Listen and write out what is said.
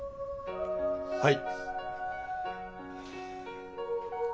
はい！